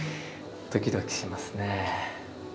ドキドキしますね。